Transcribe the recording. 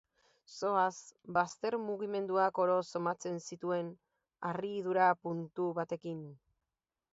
Soaz, bazter mugimenduak oro somatzen zituen, harridura puntu batekin.